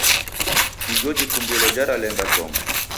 Igho jikumbilo jaralenga chongo.